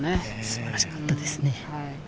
素晴らしかったですよね。